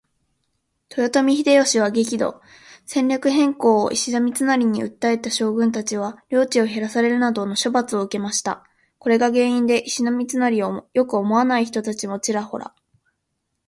豊臣秀吉は激怒。戦略変更を石田三成に訴えた武将達は領地を減らされるなどの処罰を受けました。これが原因で石田三成を良く思わない人たちもちらほら。